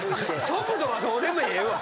速度はどうでもええわ。